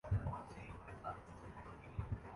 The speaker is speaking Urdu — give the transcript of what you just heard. ہمیں اجنبیت کا بالکل احساس نہ ہوا